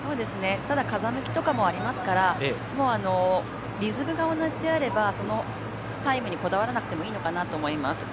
ただ風向きとかもありますからリズムが同じであればタイムにこだわらなくてもいいのかなと思います。